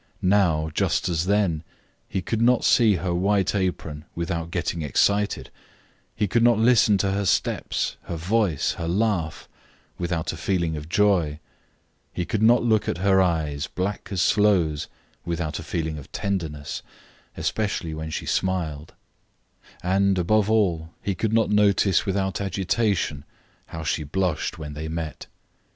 Now, just as then, he could not see her white apron without getting excited; he could not listen to her steps, her voice, her laugh, without a feeling of joy; he could not look at her eyes, black as sloes, without a feeling of tenderness, especially when she smiled; and, above all, he could not notice without agitation how she blushed when they met.